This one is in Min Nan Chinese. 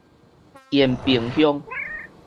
延平鄉